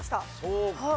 そうか。